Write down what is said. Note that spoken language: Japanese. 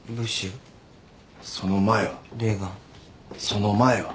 その前は？